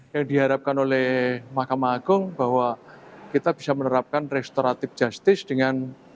yang diharapkan oleh mahkamah agung bahwa kita bisa menerapkan restoratif justice dengan